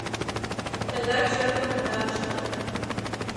Тыгай черкым пытарышда...